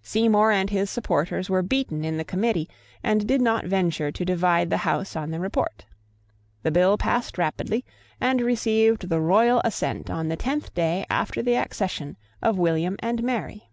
Seymour and his supporters were beaten in the Committee, and did not venture to divide the House on the Report. The Bill passed rapidly, and received the royal assent on the tenth day after the accession of William and Mary.